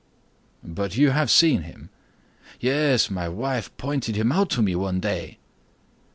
"But you have seen him?" "Yes, my wife pointed him out to me one day."